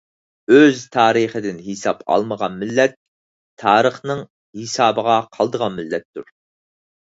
ئۆز تارىخىدىن ھېساب ئالمىغان مىللەت تارىخنىڭ ھېسابىغا قالىدىغان مىللەتتۇر.